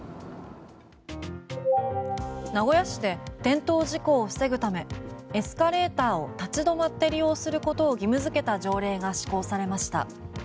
名古屋市で転倒事故を防ぐためエスカレーターを立ち止まって利用することを義務づけた条例が施行されました。